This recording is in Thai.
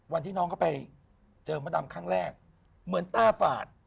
วันที่น้องเขาไปเจอมดดำครั้งแรกเหมือนตาฝาด